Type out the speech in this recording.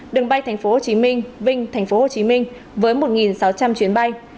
đường bay tp hcm vinh tp hcm với một sáu trăm linh chuyến bay